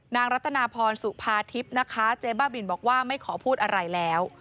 รัตนาพรสุภาทิพย์นะคะเจ๊บ้าบินบอกว่าไม่ขอพูดอะไรแล้ว